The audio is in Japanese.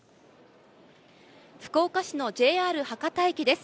福岡市のＪＲ博多駅です。